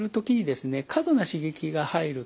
過度な刺激が入るとですね